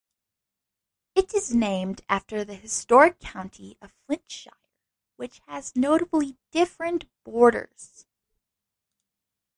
It is named after the historic county of Flintshire which has notably different borders.